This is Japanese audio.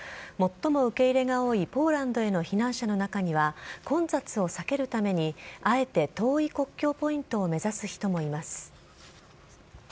最も受け入れが多いポーランドへの避難者の中には混雑を避けるために、あえて遠い国境ポイントを目指す人もいます。